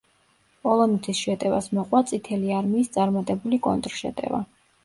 პოლონეთის შეტევას მოყვა წითლი არმიის წარმატებული კონტრშეტევა.